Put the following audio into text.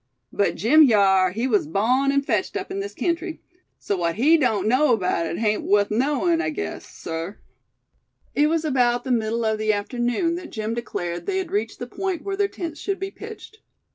"But Jim hyar, he was bawn an' fetched up in this kentry; so what he doan't know 'baout hit hain't wuth knowin', I guess, sir." It was about the middle of the afternoon that Jim declared they had reached the point where their tents should be pitched.